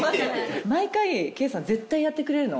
毎回圭さん絶対やってくれるの。